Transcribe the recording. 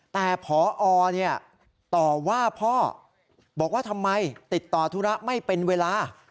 แต่พอต่อว่าพ่อบอกว่าทำไมติดต่อธุระไม่เป็นเวลา